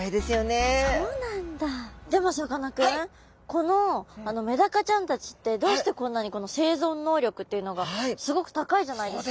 このメダカちゃんたちってどうしてこんなにこの生存能力っていうのがすごく高いじゃないですか？